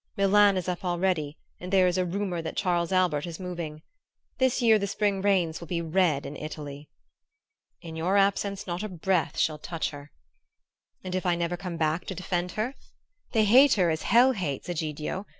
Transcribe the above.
Milan is up already; and there is a rumor that Charles Albert is moving. This year the spring rains will be red in Italy." "In your absence not a breath shall touch her!" "And if I never come back to defend her? They hate her as hell hates, Egidio!